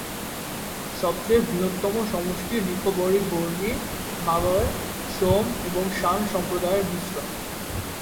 সবচেয়ে বৃহত্তম সমষ্টি নিকোবরী-বর্মী, মালয়, সোম এবং শান সম্প্রদায়ের মিশ্রণ।